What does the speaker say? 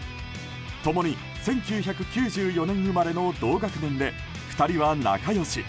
共に１９９４年生まれの同学年で２人は仲良し。